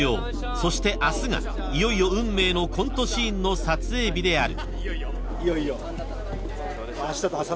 そして明日がいよいよ運命のコントシーンの撮影日である］